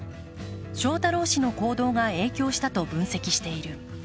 翔太郎氏の行動が影響したと分析している。